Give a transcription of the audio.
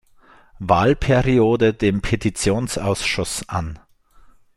Wahlperiode dem Petitionsausschuss an.